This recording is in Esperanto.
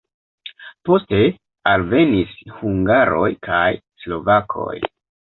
Poste alvenis hungaroj kaj slovakoj.